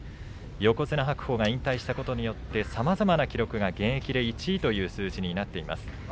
横綱白鵬が引退したことによってさまざまな記録が現役１位という数字になっています。